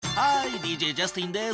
ＤＪジャスティンです。